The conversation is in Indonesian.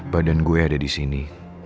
badan gue ada di sini